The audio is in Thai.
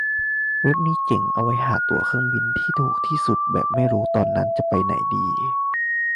เว็บนี้เจ๋งดี เอาไว้หาตั๋วเครื่องบินที่ถูกที่สุดแบบไม่รู้ตอนนั้นจะไปไหนดี